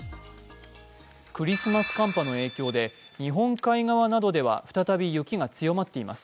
クリスマス寒波の影響で日本海側などでは再び雪が強まっています。